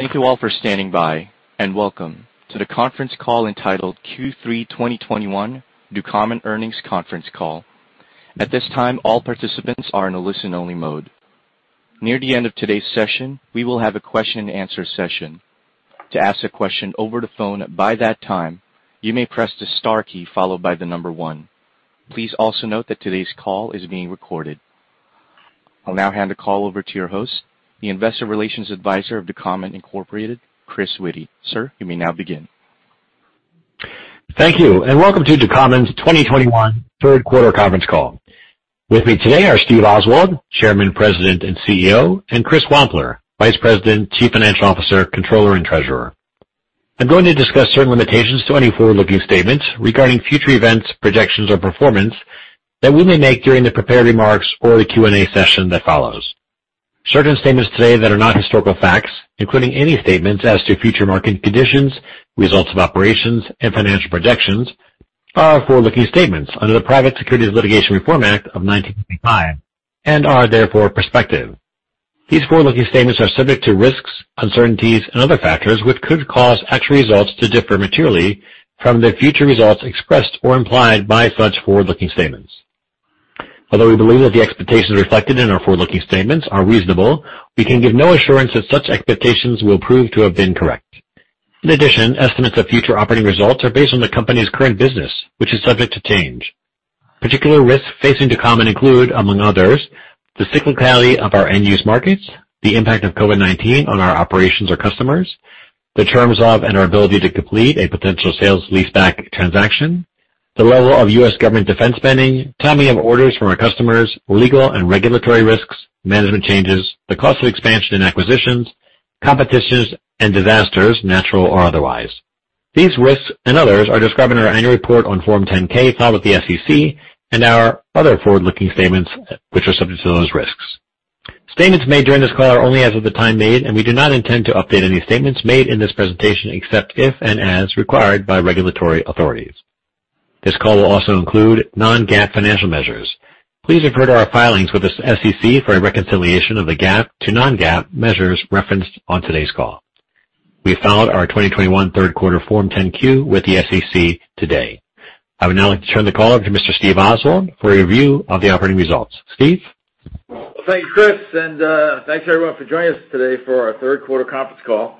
Thank you all for standing by, and welcome to the conference call entitled Q3 2021 Ducommun Earnings Conference Call. At this time, all participants are in a listen-only mode. Near the end of today's session, we will have a question-and-answer session. To ask a question over the phone by that time, you may press the star key followed by the number one. Please also note that today's call is being recorded. I'll now hand the call over to your host, the Investor Relations advisor of Ducommun Incorporated, Chris Witty. Sir, you may now begin. Thank you, and welcome to Ducommun's 2021 third quarter conference call. With me today are Stephen Oswald, Chairman, President, and CEO; and Christopher Wampler, Vice President, Chief Financial Officer, Controller, and Treasurer. I'm going to discuss certain limitations to any forward-looking statements regarding future events, projections, or performance that we may make during the prepared remarks or the Q&A session that follows. Certain statements today that are not historical facts, including any statements as to future market conditions, results of operations, and financial projections, are forward-looking statements under the Private Securities Litigation Reform Act of 1995 and are therefore prospective. These forward-looking statements are subject to risks, uncertainties, and other factors which could cause actual results to differ materially from the future results expressed or implied by such forward-looking statements. Although we believe that the expectations reflected in our forward-looking statements are reasonable, we can give no assurance that such expectations will prove to have been correct. In addition, estimates of future operating results are based on the company's current business, which is subject to change. Particular risks facing Ducommun include, among others, the cyclicality of our end-use markets, the impact of COVID-19 on our operations or customers, the terms of and our ability to complete a potential sales leaseback transaction, the level of U.S. government defense spending, timing of orders from our customers, legal and regulatory risks, management changes, the cost of expansion and acquisitions, competitions, and disasters, natural or otherwise. These risks and others are described in our annual report on Form 10-K filed with the SEC and our other forward-looking statements which are subject to those risks. Statements made during this call are only as of the time made, and we do not intend to update any statements made in this presentation except if and as required by regulatory authorities. This call will also include non-GAAP financial measures. Please refer to our filings with the SEC for a reconciliation of the GAAP to non-GAAP measures referenced on today's call. We filed our 2021 third quarter Form 10-Q with the SEC today. I would now like to turn the call over to Mr. Steve Oswald for a review of the operating results. Steve? Well, thank you, Chris, and thank you everyone for joining us today for our third quarter conference call.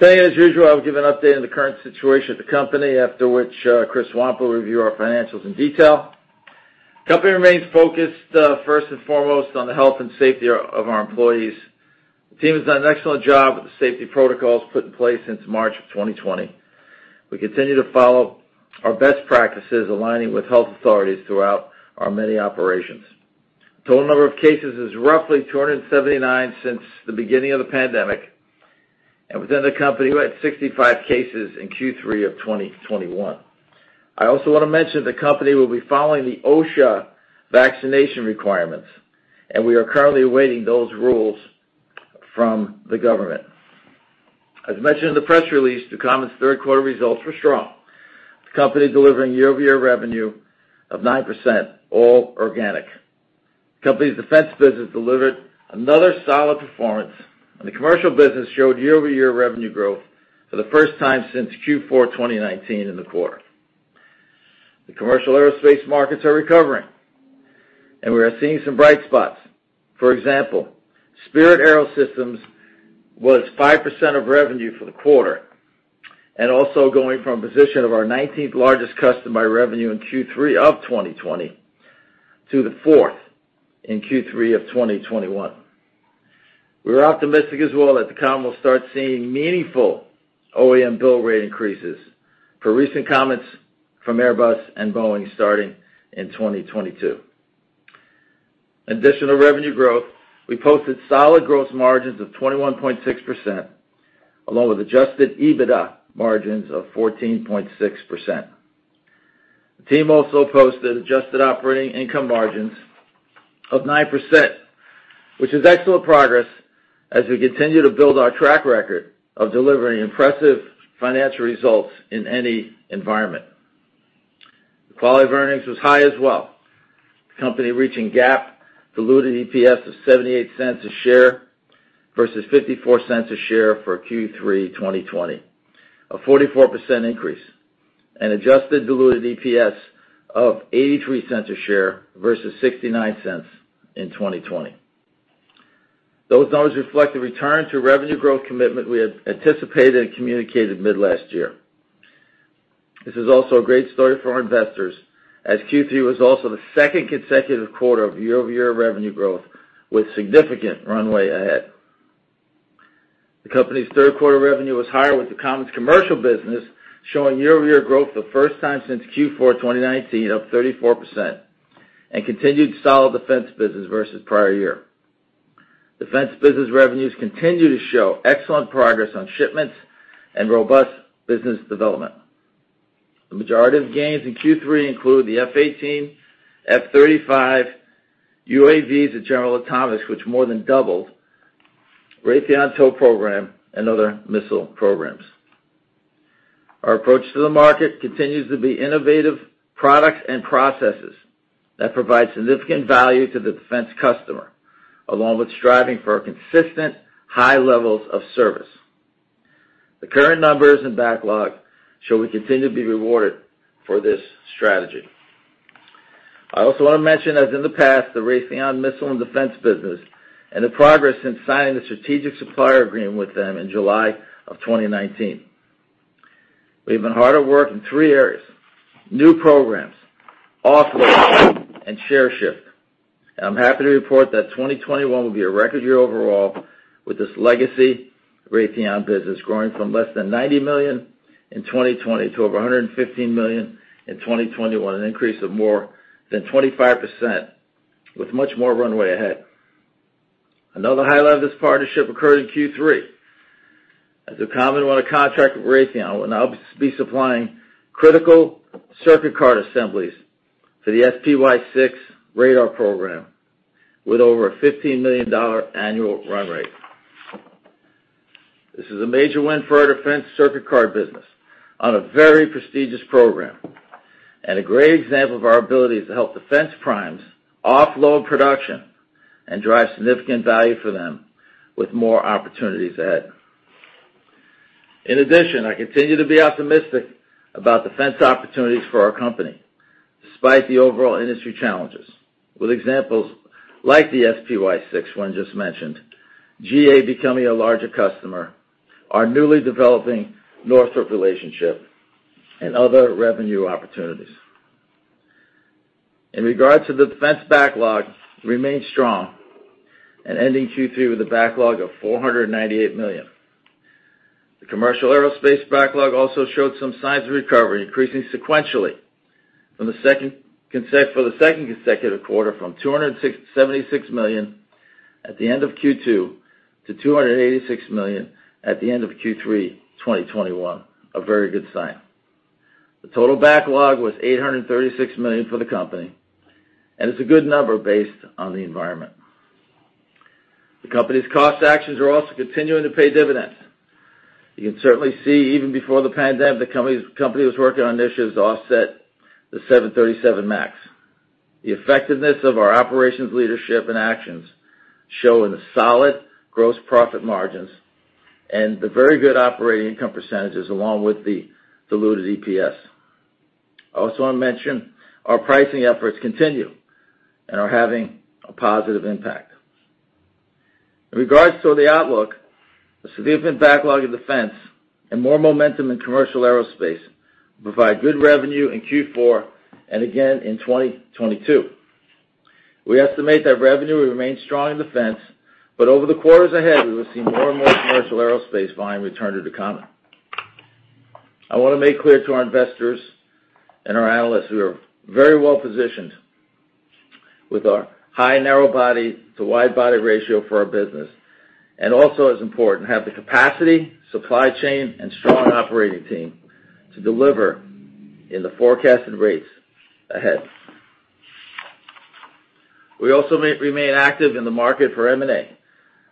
Today, as usual, I will give an update on the current situation of the company, after which Chris Wampler will review our financials in detail. The company remains focused first and foremost on the health and safety of our employees. The team has done an excellent job with the safety protocols put in place since March of 2020. We continue to follow our best practices, aligning with health authorities throughout our many operations. Total number of cases is roughly 279 since the beginning of the pandemic, and within the company, we had 65 cases in Q3 of 2021. I also wanna mention the company will be following the OSHA vaccination requirements, and we are currently awaiting those rules from the government. As mentioned in the press release, Ducommun's third quarter results were strong, with the company delivering year-over-year revenue of 9%, all organic. The company's defense business delivered another solid performance, and the commercial business showed year-over-year revenue growth for the first time since Q4 2019 in the quarter. The commercial aerospace markets are recovering, and we are seeing some bright spots. For example, Spirit AeroSystems was 5% of revenue for the quarter, and also going from a position of our 19th largest customer by revenue in Q3 of 2020 to the 4th in Q3 of 2021. We are optimistic as well that Ducommun will start seeing meaningful OEM bill rate increases for recent comments from Airbus and Boeing starting in 2022. In addition to revenue growth, we posted solid gross margins of 21.6%, along with adjusted EBITDA margins of 14.6%. The team also posted adjusted operating income margins of 9%, which is excellent progress as we continue to build our track record of delivering impressive financial results in any environment. The quality of earnings was high as well, the company reaching GAAP diluted EPS of $0.78 a share versus $0.54 a share for Q3 2020, a 44% increase, and adjusted diluted EPS of $0.83 a share versus $0.69 in 2020. Those numbers reflect the return to revenue growth commitment we had anticipated and communicated mid last year. This is also a great story for our investors, as Q3 was also the second consecutive quarter of year-over-year revenue growth with significant runway ahead. The company's third quarter revenue was higher, with Ducommun's commercial business showing year-over-year growth for the first time since Q4 2019 of 34% and continued solid defense business versus prior year. Defense business revenues continue to show excellent progress on shipments and robust business development. The majority of gains in Q3 include the F-18, F-35, UAVs at General Atomics, which more than doubled, Raytheon TOW program, and other missile programs. Our approach to the market continues to be innovative products and processes that provide significant value to the defense customer, along with striving for consistent high levels of service. The current numbers and backlog show we continue to be rewarded for this strategy. I also wanna mention, as in the past, the Raytheon Missiles & Defense business and the progress since signing the strategic supplier agreement with them in July 2019. We've been hard at work in three areas: new programs, offload, and share shift. I'm happy to report that 2021 will be a record year overall with this legacy Raytheon business growing from less than $90 million in 2020 to over $115 million in 2021, an increase of more than 25%, with much more runway ahead. Another highlight of this partnership occurred in Q3 as Ducommun won a contract with Raytheon and will now be supplying critical circuit card assemblies for the SPY-6 radar program with over a $15 million annual run rate. This is a major win for our defense circuit card business on a very prestigious program, and a great example of our ability to help defense primes offload production and drive significant value for them with more opportunities ahead. In addition, I continue to be optimistic about defense opportunities for our company, despite the overall industry challenges, with examples like the SPY-6 one just mentioned, GA becoming a larger customer, our newly developing Northrop relationship, and other revenue opportunities. In regards to the defense backlog, we remained strong, ending Q3 with a backlog of $498 million. The commercial aerospace backlog also showed some signs of recovery, increasing sequentially for the second consecutive quarter from $276 million at the end of Q2 to $286 million at the end of Q3 2021. A very good sign. The total backlog was $836 million for the company, and it's a good number based on the environment. The company's cost actions are also continuing to pay dividends. You can certainly see, even before the pandemic, the company was working on issues to offset the 737 MAX. The effectiveness of our operations leadership and actions show in the solid gross profit margins and the very good operating income percentages along with the diluted EPS. I also want to mention our pricing efforts continue and are having a positive impact. In regards to the outlook, the significant backlog in defense and more momentum in commercial aerospace provide good revenue in Q4 and again in 2022. We estimate that revenue will remain strong in defense, but over the quarters ahead, we will see more and more commercial aerospace volume return to Ducommun. I wanna make clear to our investors and our analysts, we are very well-positioned with our high narrow body to wide body ratio for our business, and also as important, have the capacity, supply chain, and strong operating team to deliver in the forecasted rates ahead. We also may remain active in the market for M&A,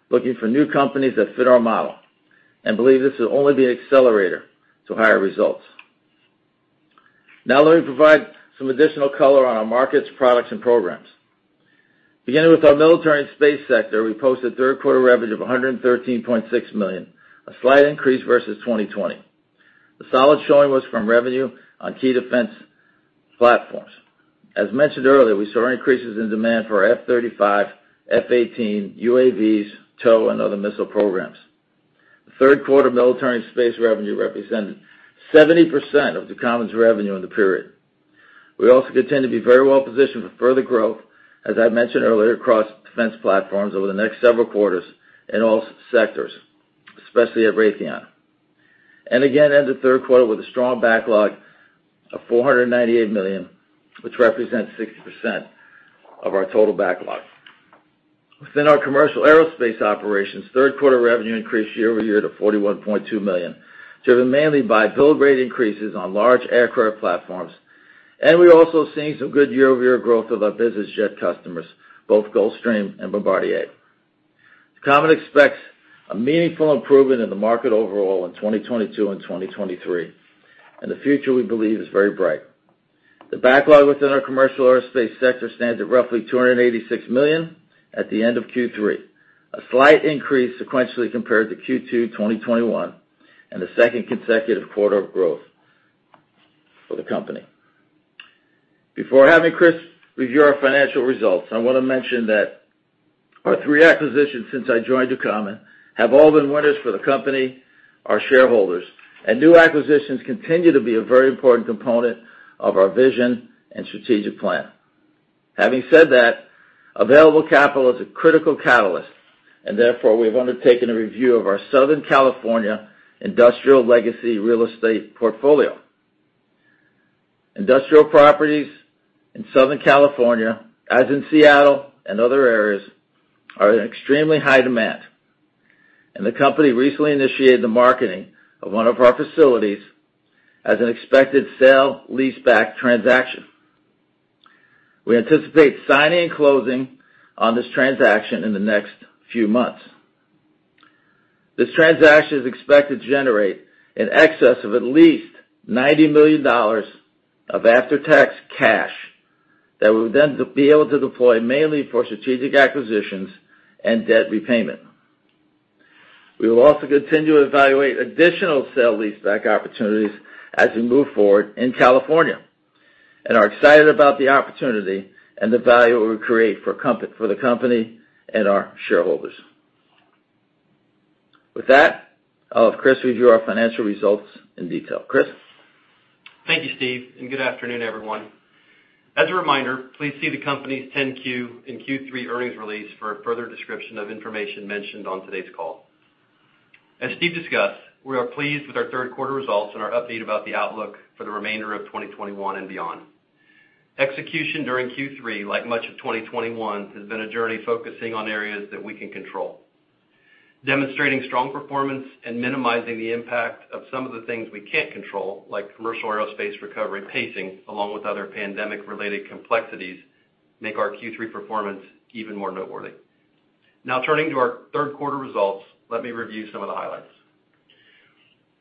looking for new companies that fit our model and believe this will only be an accelerator to higher results. Now let me provide some additional color on our markets, products, and programs. Beginning with our military and space sector, we posted third quarter revenue of $113.6 million, a slight increase versus 2020. The solid showing was from revenue on key defense platforms. As mentioned earlier, we saw increases in demand for our F-35, F-18, UAVs, TOW, and other missile programs. The third quarter military and space revenue represented 70% of Ducommun's revenue in the period. We also continue to be very well-positioned for further growth, as I mentioned earlier, across defense platforms over the next several quarters in all sectors, especially at Raytheon. Again, ended third quarter with a strong backlog of $498 million, which represents 60% of our total backlog. Within our commercial aerospace operations, third quarter revenue increased year over year to $41.2 million, driven mainly by build rate increases on large aircraft platforms. We're also seeing some good year-over-year growth of our business jet customers, both Gulfstream and Bombardier. Ducommun expects a meaningful improvement in the market overall in 2022 and 2023, and the future, we believe, is very bright. The backlog within our commercial aerospace sector stands at roughly $286 million at the end of Q3, a slight increase sequentially compared to Q2 2021 and the second consecutive quarter of growth for the company. Before having Chris review our financial results, I wanna mention that our three acquisitions since I joined Ducommun have all been winners for the company, our shareholders, and new acquisitions continue to be a very important component of our vision and strategic plan. Having said that, available capital is a critical catalyst, and therefore, we have undertaken a review of our Southern California industrial legacy real estate portfolio. Industrial properties in Southern California, as in Seattle and other areas, are in extremely high demand, and the company recently initiated the marketing of one of our facilities as an expected sale leaseback transaction. We anticipate signing and closing on this transaction in the next few months. This transaction is expected to generate in excess of at least $90 million of after-tax cash that we'll then be able to deploy mainly for strategic acquisitions and debt repayment. We will also continue to evaluate additional sale leaseback opportunities as we move forward in California, and are excited about the opportunity and the value it will create for the company and our shareholders. With that, I'll have Chris review our financial results in detail. Chris? Thank you, Steve, and good afternoon, everyone. As a reminder, please see the company's 10-Q and Q3 earnings release for a further description of information mentioned on today's call. As Steve discussed, we are pleased with our third quarter results and our update about the outlook for the remainder of 2021 and beyond. Execution during Q3, like much of 2021, has been a journey focusing on areas that we can control. Demonstrating strong performance and minimizing the impact of some of the things we can't control, like commercial aerospace recovery pacing, along with other pandemic-related complexities, make our Q3 performance even more noteworthy. Now turning to our third quarter results, let me review some of the highlights.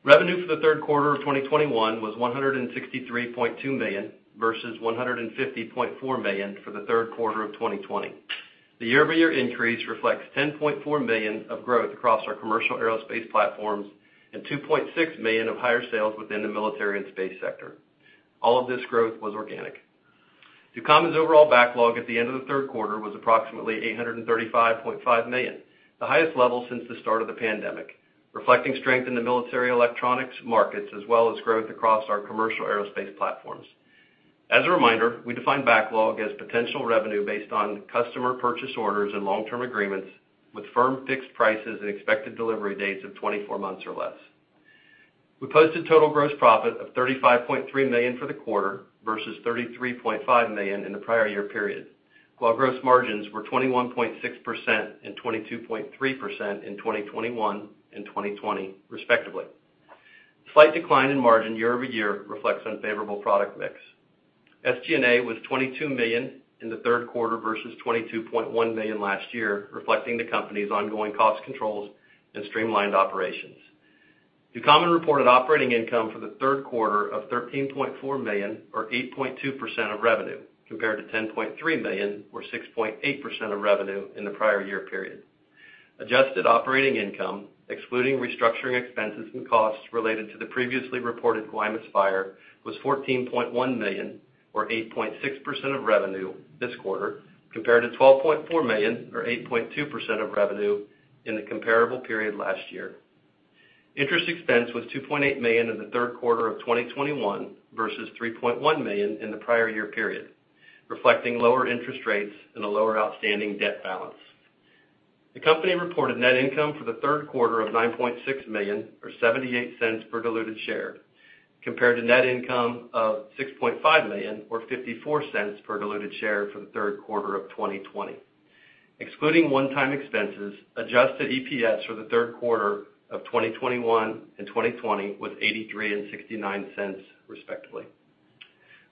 Revenue for the third quarter of 2021 was $163.2 million versus $150.4 million for the third quarter of 2020. The year-over-year increase reflects $10.4 million of growth across our commercial aerospace platforms and $2.6 million of higher sales within the military and space sector. All of this growth was organic. Ducommun's overall backlog at the end of the third quarter was approximately $835.5 million, the highest level since the start of the pandemic, reflecting strength in the military electronics markets as well as growth across our commercial aerospace platforms. As a reminder, we define backlog as potential revenue based on customer purchase orders and long-term agreements with firm fixed prices and expected delivery dates of 24 months or less. We posted total gross profit of $35.3 million for the quarter versus $33.5 million in the prior year period, while gross margins were 21.6% and 22.3% in 2021 and 2020 respectively. Slight decline in margin year-over-year reflects unfavorable product mix. SG&A was $22 million in the third quarter versus $22.1 million last year, reflecting the company's ongoing cost controls and streamlined operations. Ducommun reported operating income for the third quarter of $13.4 million or 8.2% of revenue, compared to $10.3 million or 6.8% of revenue in the prior year period. Adjusted operating income, excluding restructuring expenses and costs related to the previously reported Guaymas fire, was $14.1 million or 8.6% of revenue this quarter, compared to $12.4 million or 8.2% of revenue in the comparable period last year. Interest expense was $2.8 million in the third quarter of 2021 versus $3.1 million in the prior year period, reflecting lower interest rates and a lower outstanding debt balance. The company reported net income for the third quarter of $9.6 million or $0.78 per diluted share, compared to net income of $6.5 million or $0.54 per diluted share for the third quarter of 2020. Excluding one-time expenses, adjusted EPS for the third quarter of 2021 and 2020 was $0.83 and $0.69 respectively.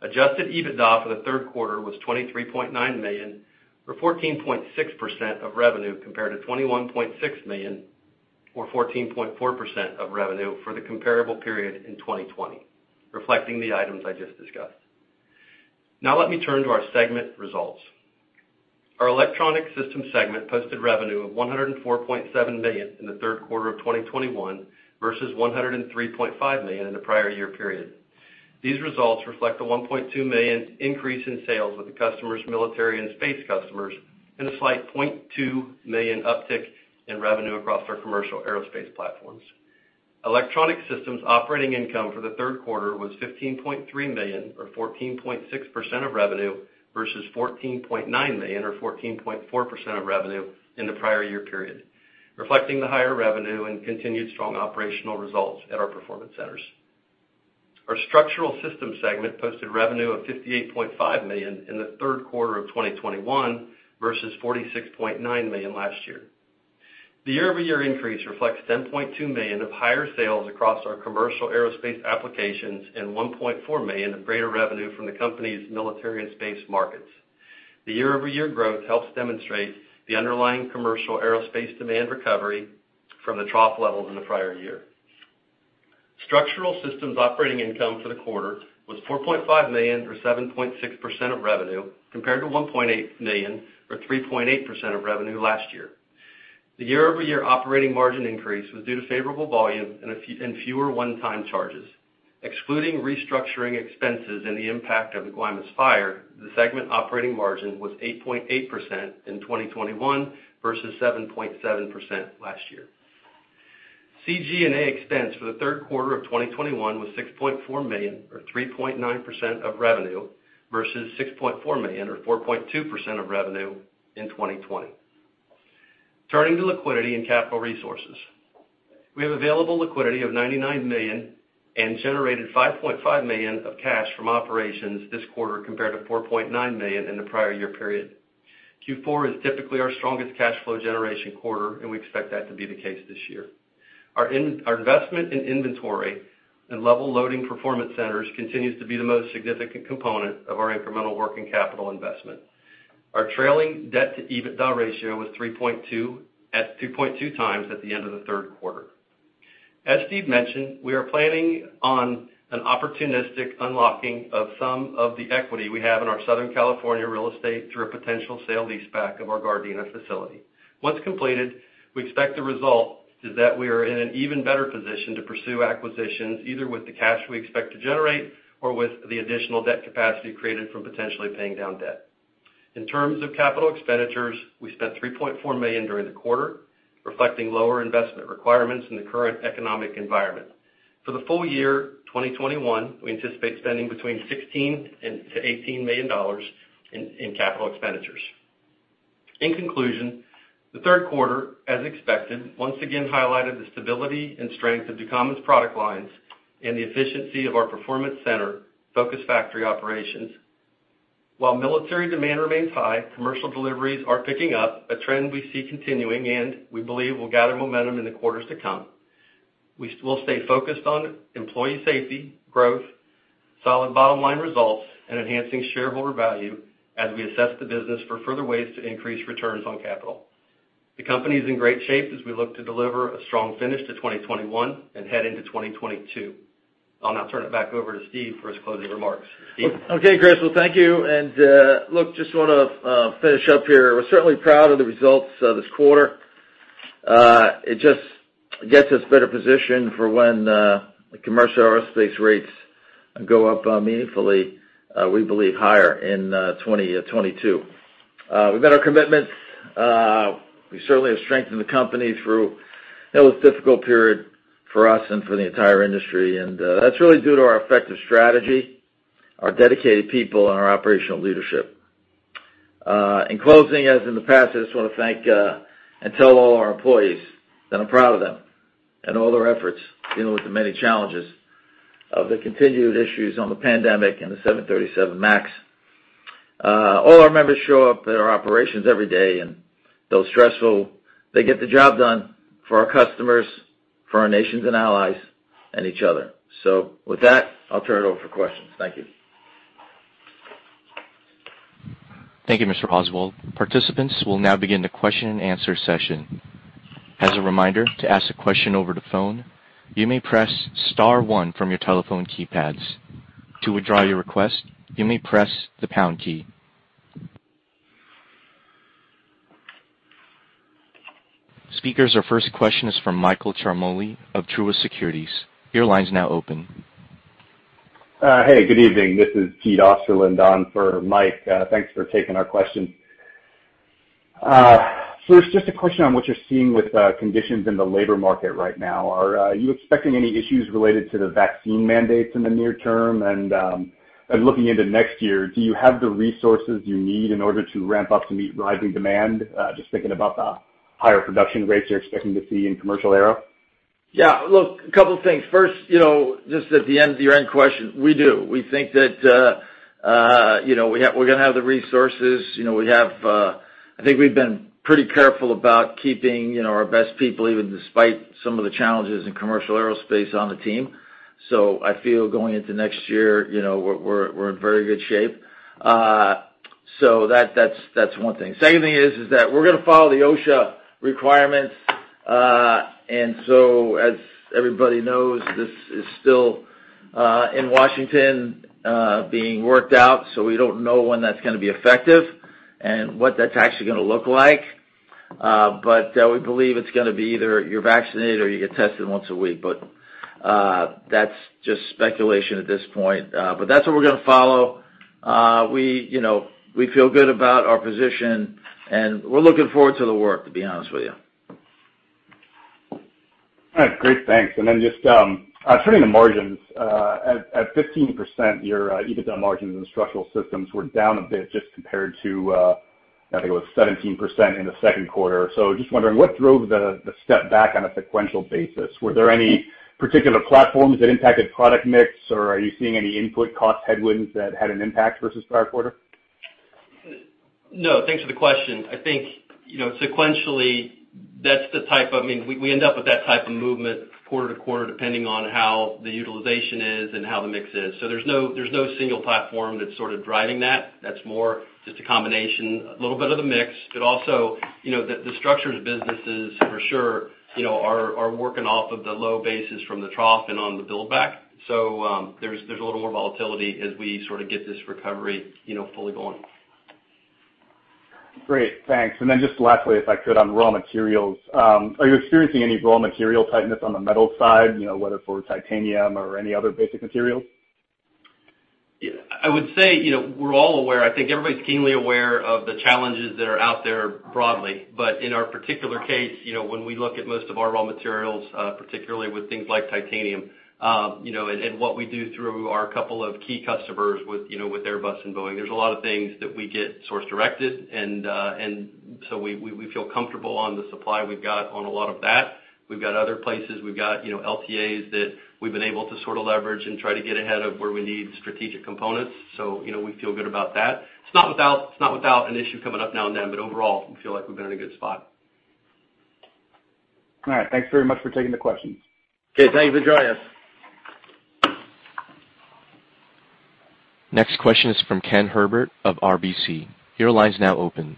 Adjusted EBITDA for the third quarter was $23.9 million or 14.6% of revenue compared to $21.6 million or 14.4% of revenue for the comparable period in 2020, reflecting the items I just discussed. Now let me turn to our segment results. Our Electronic Systems segment posted revenue of $104.7 million in Q3 2021 versus $103.5 million in the prior-year period. These results reflect a $1.2 million increase in sales within our military and space customers and a slight $0.2 million uptick in revenue across our commercial aerospace platforms. Electronic Systems operating income for the third quarter was $15.3 million or 14.6% of revenue versus $14.9 million or 14.4% of revenue in the prior-year period, reflecting the higher revenue and continued strong operational results at our performance centers. Our Structural Systems segment posted revenue of $58.5 million in Q3 2021 versus $46.9 million last year. The year-over-year increase reflects $10.2 million of higher sales across our commercial aerospace applications and $1.4 million of greater revenue from the company's military and space markets. The year-over-year growth helps demonstrate the underlying commercial aerospace demand recovery from the trough levels in the prior year. Structural systems operating income for the quarter was $4.5 million or 7.6% of revenue compared to $1.8 million or 3.8% of revenue last year. The year-over-year operating margin increase was due to favorable volume and fewer one-time charges. Excluding restructuring expenses and the impact of the Guaymas fire, the segment operating margin was 8.8% in 2021 versus 7.7% last year. SG&A expense for the third quarter of 2021 was $6.4 million or 3.9% of revenue versus $6.4 million or 4.2% of revenue in 2020. Turning to liquidity and capital resources. We have available liquidity of $99 million and generated $5.5 million of cash from operations this quarter compared to $4.9 million in the prior year period. Q4 is typically our strongest cash flow generation quarter, and we expect that to be the case this year. Our investment in inventory and level loading performance centers continues to be the most significant component of our incremental working capital investment. Our trailing debt to EBITDA ratio was 3.2.2 times at the end of the third quarter. As Steve mentioned, we are planning on an opportunistic unlocking of some of the equity we have in our Southern California real estate through a potential sale leaseback of our Gardena facility. Once completed, we expect the result is that we are in an even better position to pursue acquisitions, either with the cash we expect to generate or with the additional debt capacity created from potentially paying down debt. In terms of capital expenditures, we spent $3.4 million during the quarter, reflecting lower investment requirements in the current economic environment. For the full year 2021, we anticipate spending between $16 million-$18 million in capital expenditures. In conclusion, the third quarter, as expected, once again highlighted the stability and strength of Ducommun's product lines and the efficiency of our performance center-focused factory operations. While military demand remains high, commercial deliveries are picking up, a trend we see continuing and we believe will gather momentum in the quarters to come. We will stay focused on employee safety, growth, solid bottom line results, and enhancing shareholder value as we assess the business for further ways to increase returns on capital. The company is in great shape as we look to deliver a strong finish to 2021 and head into 2022. I'll now turn it back over to Steve for his closing remarks. Steve? Okay, Chris. Well, thank you, and look, just wanna finish up here. We're certainly proud of the results this quarter. It just gets us better positioned for when the commercial aerospace rates go up meaningfully, we believe higher in 2022. We've met our commitments. We certainly have strengthened the company through, you know, this difficult period for us and for the entire industry, and that's really due to our effective strategy, our dedicated people and our operational leadership. In closing, as in the past, I just wanna thank and tell all our employees that I'm proud of them and all their efforts dealing with the many challenges of the continued issues of the pandemic and the 737 MAX. All our members show up at our operations every day, and though stressful, they get the job done for our customers, for our nations and allies, and each other. With that, I'll turn it over for questions. Thank you. Thank you, Mr. Oswald. Participants, we'll now begin the question and answer session. As a reminder, to ask a question over the phone, you may press star one from your telephone keypads. To withdraw your request, you may press the pound key. Speakers, our first question is from Michael Ciarmoli of Truist Securities. Your line's now open. Hey, good evening. This is Pete Osterland for Mike. Thanks for taking our question. First, just a question on what you're seeing with conditions in the labor market right now. Are you expecting any issues related to the vaccine mandates in the near term? Looking into next year, do you have the resources you need in order to ramp up to meet rising demand, just thinking about the higher production rates you're expecting to see in commercial aero? Yeah, look, a couple things. First, you know, just at the end of your end question, we do. We think that, you know, we're gonna have the resources. You know, we have. I think we've been pretty careful about keeping, you know, our best people, even despite some of the challenges in commercial aerospace on the team. I feel going into next year, you know, we're in very good shape. That's one thing. Second thing is that we're gonna follow the OSHA requirements. As everybody knows, this is still in Washington being worked out, so we don't know when that's gonna be effective and what that's actually gonna look like. We believe it's gonna be either you're vaccinated or you get tested once a week. That's just speculation at this point. That's what we're gonna follow. You know, we feel good about our position, and we're looking forward to the work, to be honest with you. All right. Great. Thanks. Just turning to margins. At 15%, your EBITDA margins and structural systems were down a bit just compared to, I think it was 17% in the second quarter. Just wondering what drove the step back on a sequential basis? Were there any particular platforms that impacted product mix, or are you seeing any input cost headwinds that had an impact versus prior quarter? No, thanks for the question. I think, you know, sequentially, that's the type of, I mean, we end up with that type of movement quarter to quarter depending on how the utilization is and how the mix is. There's no single platform that's sort of driving that. That's more just a combination, a little bit of the mix. Also, you know, the structures businesses for sure, you know, are working off of the low bases from the trough and on the build back. There's a little more volatility as we sort of get this recovery, you know, fully going. Great. Thanks. Just lastly, if I could, on raw materials. Are you experiencing any raw material tightness on the metal side, you know, whether for titanium or any other basic materials? Yeah. I would say, you know, we're all aware, I think everybody's keenly aware of the challenges that are out there broadly. In our particular case, you know, when we look at most of our raw materials, particularly with things like titanium, you know, and what we do through our couple of key customers with, you know, with Airbus and Boeing, there's a lot of things that we get source directed and so we feel comfortable on the supply we've got on a lot of that. We've got other places, we've got, you know, LTAs that we've been able to sort of leverage and try to get ahead of where we need strategic components. You know, we feel good about that. It's not without an issue coming up now and then, but overall, we feel like we've been in a good spot. All right. Thanks very much for taking the questions. Okay. Thanks for joining us. Next question is from Kenneth Herbert of RBC. Your line is now open.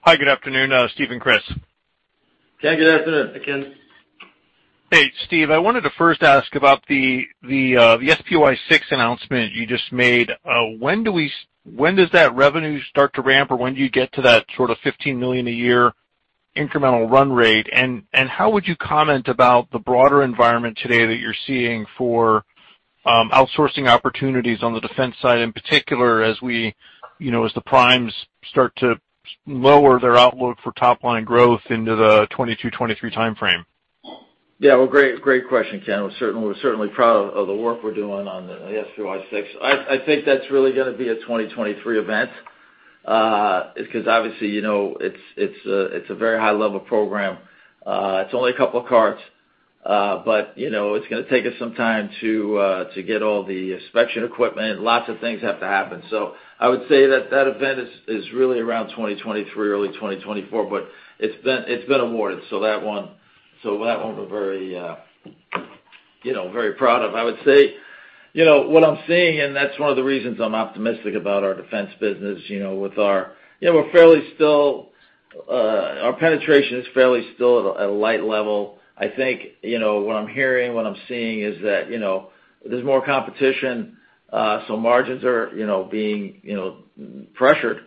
Hi, good afternoon, Steve and Chris. Ken, good afternoon. Hi, Ken. Hey, Steve. I wanted to first ask about the SPY-6 announcement you just made. When does that revenue start to ramp, or when do you get to that sort of $15 million a year incremental run rate? How would you comment about the broader environment today that you're seeing for outsourcing opportunities on the defense side, in particular as the primes start to lower their outlook for top line growth into the 2022, 2023 timeframe? Well, great question, Ken. We're certainly proud of the work we're doing on the SPY-6. I think that's really gonna be a 2023 event, because obviously, you know, it's a very high level program. It's only a couple of contracts, but, you know, it's gonna take us some time to get all the inspection equipment. Lots of things have to happen. I would say that event is really around 2023, early 2024, but it's been awarded. So that one we're very proud of. I would say, you know, what I'm seeing, and that's one of the reasons I'm optimistic about our defense business, you know, with our. You know, our penetration is still fairly light. I think, you know, what I'm hearing, what I'm seeing is that, you know, there's more competition, so margins are, you know, being, you know, pressured.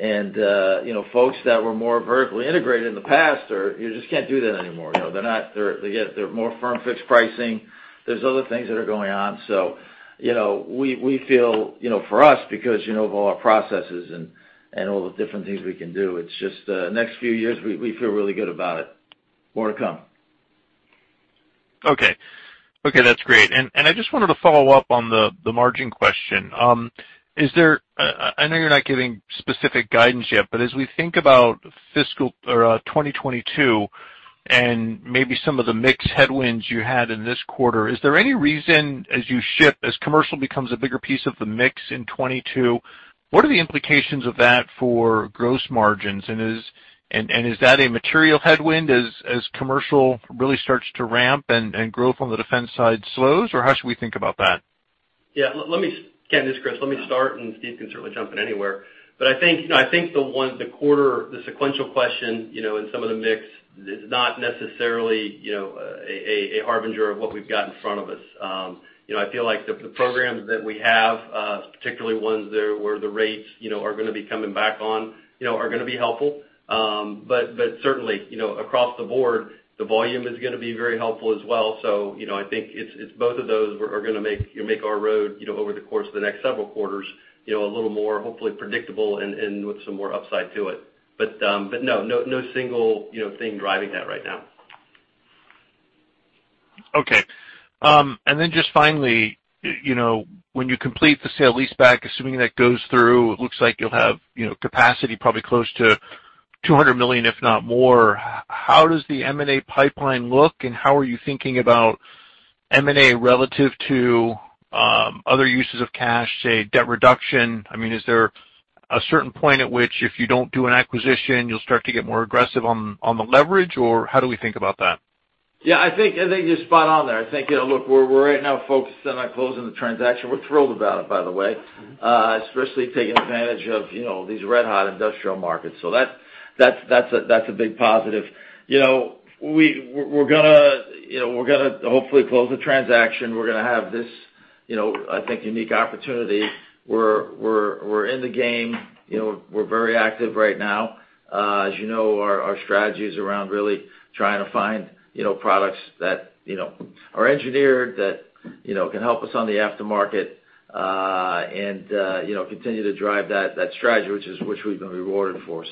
You know, folks that were more vertically integrated in the past are, you just can't do that anymore. You know, they're not, they're, they get, they're more firm fixed pricing. There's other things that are going on. You know, we feel, you know, for us, because, you know, of all our processes and all the different things we can do, it's just, next few years we feel really good about it. More to come. Okay. Okay, that's great. I just wanted to follow up on the margin question. I know you're not giving specific guidance yet, but as we think about fiscal 2022 and maybe some of the mix headwinds you had in this quarter, is there any reason as commercial becomes a bigger piece of the mix in 2022, what are the implications of that for gross margins? And is that a material headwind as commercial really starts to ramp and growth on the defense side slows? Or how should we think about that? Yeah, let me Ken, this is Chris. Let me start, and Steve can certainly jump in anywhere. I think, you know, I think the one, the quarter, the sequential question, you know, and some of the mix is not necessarily, you know, a harbinger of what we've got in front of us. You know, I feel like the programs that we have, particularly ones there where the rates, you know, are gonna be coming back on, you know, are gonna be helpful. Certainly, you know, across the board, the volume is gonna be very helpful as well. I think it's both of those we're gonna make our roadmap, you know, over the course of the next several quarters, you know, a little more, hopefully predictable and with some more upside to it. But no single thing driving that right now. Okay. Just finally, you know, when you complete the sale lease back, assuming that goes through, it looks like you'll have, you know, capacity probably close to $200 million, if not more. How does the M&A pipeline look, and how are you thinking about M&A relative to other uses of cash, say, debt reduction? I mean, is there a certain point at which if you don't do an acquisition, you'll start to get more aggressive on the leverage, or how do we think about that? Yeah, I think you're spot on there. I think, you know, look, we're right now focused on closing the transaction. We're thrilled about it, by the way. Especially taking advantage of, you know, these red-hot industrial markets. That's a big positive. You know, we're gonna, you know, we're gonna hopefully close the transaction. We're gonna have this, you know, I think unique opportunity. We're in the game. You know, we're very active right now. As you know, our strategy is around really trying to find, you know, products that, you know, are engineered, that, you know, can help us on the aftermarket, and, you know, continue to drive that strategy, which we've been rewarded for.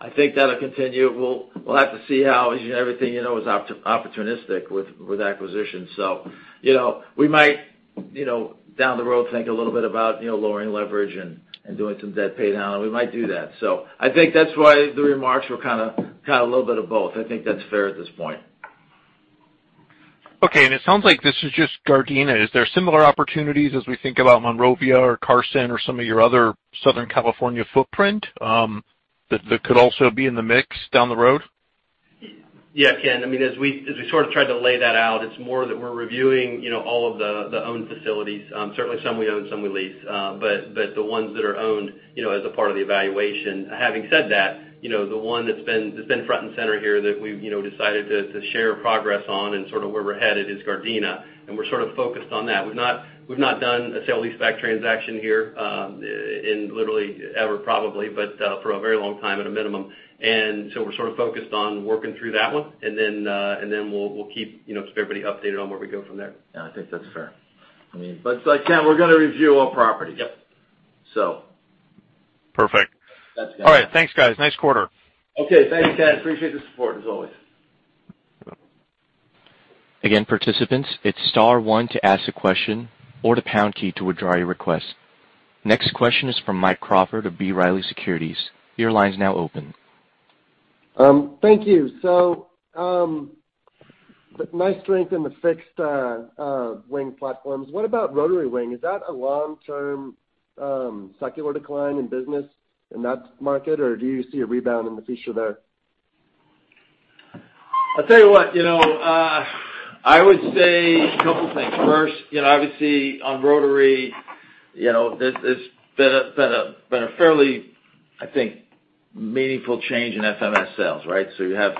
I think that'll continue. We'll have to see how everything, you know, is opportunistic with acquisitions. You know, we might, you know, down the road, think a little bit about, you know, lowering leverage and doing some debt pay down, and we might do that. I think that's why the remarks were kinda a little bit of both. I think that's fair at this point. Okay. It sounds like this is just Gardena. Is there similar opportunities as we think about Monrovia or Carson or some of your other Southern California footprint that could also be in the mix down the road? Yeah, Ken. I mean, as we sort of tried to lay that out, it's more that we're reviewing, you know, all of the owned facilities. Certainly some we own, some we lease. But the ones that are owned, you know, as a part of the evaluation. Having said that, you know, the one that's been front and center here that we've, you know, decided to share progress on and sort of where we're headed is Gardena, and we're sort of focused on that. We've not done a sale lease back transaction here, in literally ever probably, but for a very long time at a minimum. We're sort of focused on working through that one. Then we'll keep, you know, everybody updated on where we go from there. Yeah, I think that's fair. I mean, like Ken, we're gonna review all properties. Yep. So. Perfect. That's good. All right. Thanks, guys. Nice quarter. Okay, thanks, Ken. I appreciate the support as always. Participants, hit star one to ask a question or the pound key to withdraw your request. Next question is from Mike Crawford of B. Riley Securities. Your line's now open. Thank you. Nice strength in the fixed wing platforms. What about rotary wing? Is that a long-term secular decline in business in that market, or do you see a rebound in the future there? I'll tell you what, you know, I would say a couple things. First, you know, obviously on rotary, you know, there's been a fairly, I think, meaningful change in FMS sales, right? You have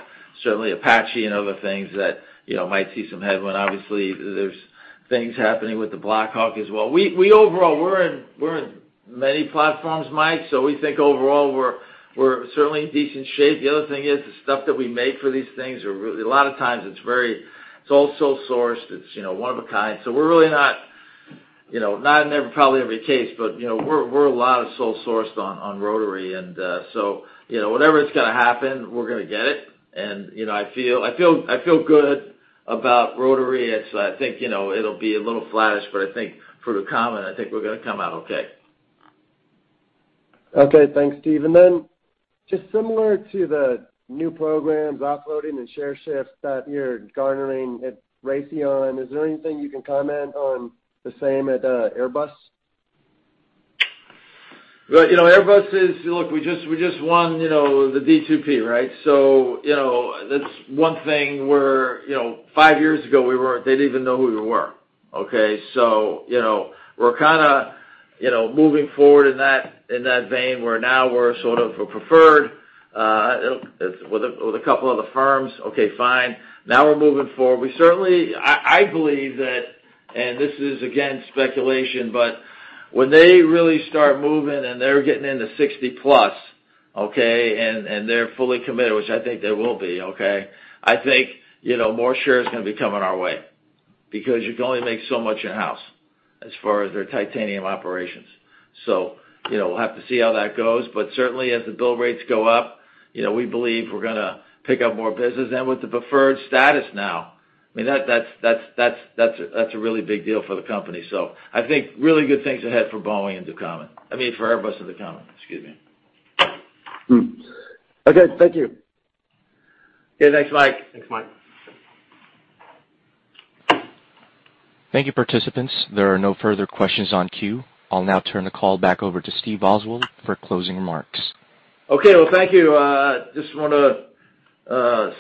certainly Apache and other things that, you know, might see some headwind. Obviously, there's things happening with the Black Hawk as well. We overall we're in many platforms, Mike, so we think overall we're certainly in decent shape. The other thing is the stuff that we make for these things are really a lot of times it's very, it's all sole sourced, it's, you know, one of a kind. We're really not, you know, not in every, probably every case, but, you know, we're a lot of sole sourced on rotary and, so, you know, whatever is gonna happen, we're gonna get it. You know, I feel good about rotary. It's, I think, you know, it'll be a little flattish, but I think for the company, I think we're gonna come out okay. Okay. Thanks, Steve. Just similar to the new programs, offloading and share shifts that you're garnering at Raytheon, is there anything you can comment on the same at Airbus? Well, you know, look, we just won, you know, the D2P, right? So, you know, that's one thing where, you know, five years ago we weren't, they didn't even know who we were, okay? So, you know, we're kinda, you know, moving forward in that vein, where now we're sort of a preferred with a couple other firms. Okay, fine. Now we're moving forward. We certainly believe that, and this is again, speculation, but when they really start moving and they're getting into 60+, okay, and they're fully committed, which I think they will be, okay, I think, you know, more share is gonna be coming our way because you can only make so much in-house as far as their titanium operations. So, you know, we'll have to see how that goes. Certainly as the bill rates go up, you know, we believe we're gonna pick up more business. With the preferred status now, I mean, that's a really big deal for the company. I think really good things ahead for Boeing and Ducommun. I mean, for Airbus and Ducommun. Excuse me. Okay. Thank you. Okay, thanks Mike. Thanks, Mike. Thank you, participants. There are no further questions on queue. I'll now turn the call back over to Stephen Oswald for closing remarks. Okay. Well, thank you. Just wanna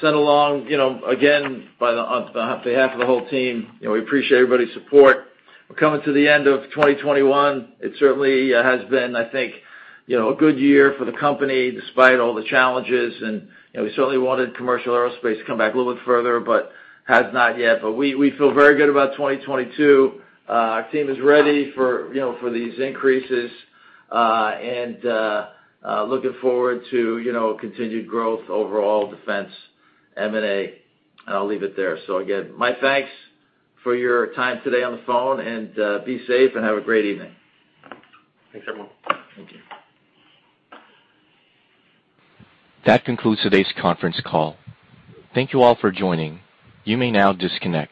send along, you know, again, on behalf of the whole team, you know, we appreciate everybody's support. We're coming to the end of 2021. It certainly has been, I think, you know, a good year for the company despite all the challenges and, you know, we certainly wanted commercial aerospace to come back a little bit further but has not yet. But we feel very good about 2022. Our team is ready for, you know, for these increases, and looking forward to, you know, continued growth overall, defense, M&A, and I'll leave it there. Again, my thanks for your time today on the phone, and be safe and have a great evening. Thanks, everyone. Thank you. That concludes today's conference call. Thank you all for joining. You may now disconnect.